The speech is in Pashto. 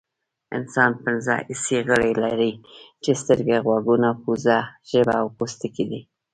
انسان پنځه حسي غړي لري چې سترګې غوږونه پوزه ژبه او پوستکی دي